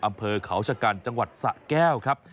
อำเภอเขาชะกันจังหวัดสะแก้วครับ